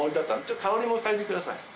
香りも嗅いでください。